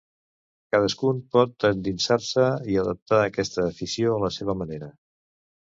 Cadascun pot endinsar-se i adaptar aquesta afició a la seva manera.